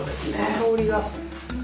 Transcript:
香りが。